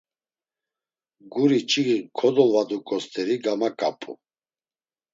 Guri ç̌iği kodolvaduǩo st̆eri gamaǩap̌u.